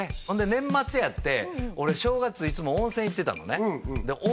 ほんで年末やって俺正月いつも温泉行ってたのねで